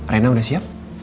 rena udah siap